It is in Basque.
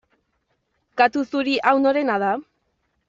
Katu zuri hau norena da?